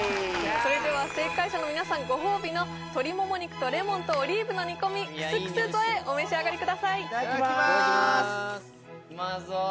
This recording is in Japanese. それでは正解者の皆さんご褒美の鶏モモ肉とレモンとオリーブの煮込みクスクス添えお召し上がりくださいいただきますうまそ！